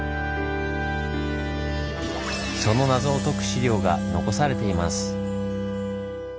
その謎をとく資料が残されています。